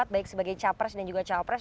baik sebagai capres dan juga cawapres